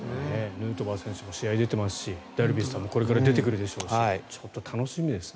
ヌートバー選手も試合に出ていますしダルビッシュさんもこれから出てくるでしょうしちょっと楽しみですね。